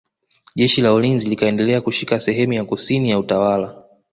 Jeshi la ulinzi likaendelea kushika sehemu ya kusini ya utawala